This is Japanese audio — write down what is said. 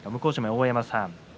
大山さん